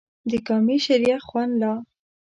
د کامې شریخ خوند لا